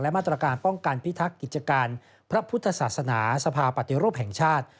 มาตรการป้องกันพิทักษ์กิจการพระพุทธศาสนาสภาปฏิรูปแห่งชาติ